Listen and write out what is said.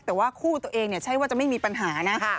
แต่ว่าคู่ตัวเองเนี่ยใช่ว่าจะไม่มีปัญหานะ